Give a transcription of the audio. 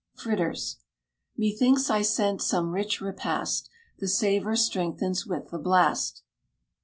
FRITTERS. Methinks I scent some rich repast: The savor strengthens with the blast.